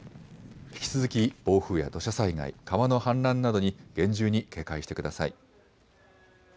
引き続き暴風や土砂災害、川の氾濫などに厳重に警戒してください。